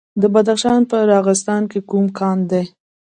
د بدخشان په راغستان کې کوم کان دی؟